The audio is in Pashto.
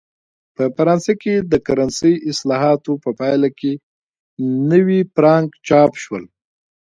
په فرانسه کې د کرنسۍ اصلاحاتو په پایله کې نوي فرانک چاپ شول.